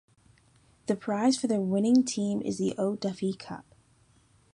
The prize for the winning team is the O'Duffy Cup.